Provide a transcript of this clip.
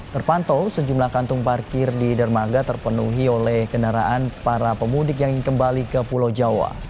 terpantau sejumlah kantung parkir di dermaga terpenuhi oleh kendaraan para pemudik yang kembali ke pulau jawa